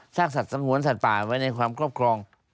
สัตว์สงวนสัตว์ป่าไว้ในความครอบครอง